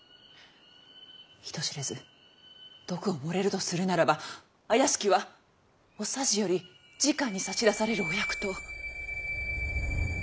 人知れず毒を盛れるとするならば怪しきはお匙よりじかに差し出されるお薬湯。